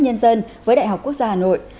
nhân dân với đại học quốc gia hà nội